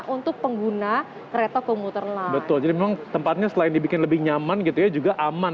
untuk pengguna kereta komuter jadi memang tempatnya selain dibikin lebih nyaman gitu ya juga aman